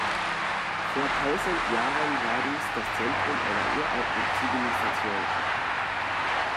Vor tausend Jahren war dies das Zentrum einer uralten Zivilisation.